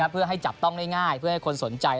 เพื่อให้จับต้องง่ายเพื่อให้คนสนใจ